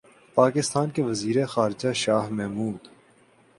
پاکستان کے وزیر خارجہ شاہ محمود